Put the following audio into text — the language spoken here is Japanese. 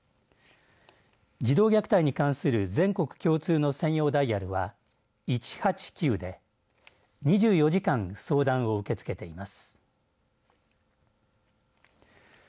児童虐待に関する全国共通の専用ダイヤルは１８９で２４時間相談を受け付けています。